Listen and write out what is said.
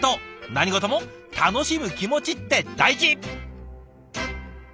何事も楽しむ気持ちって大事！